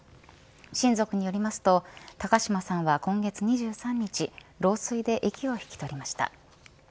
親族によりますと高嶋さんは今月２３日老衰で息を引き取りました。